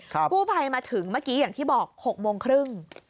กู้ภัยมาถึงเมื่อกี้อย่างที่บอก๖โมงครึ่ง